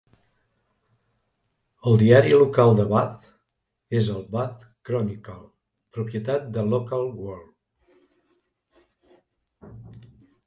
El diari local de Bath és el "Bath Chronicle", propietat de Local World.